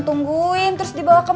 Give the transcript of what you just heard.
tunggu yang terus dibawa kemari